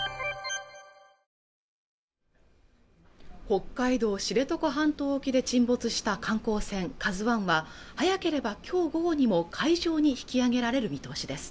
北海道知床半島沖で沈没した観光船「ＫＡＺＵ１」は早ければきょう午後にも海上に引き揚げられる見通しです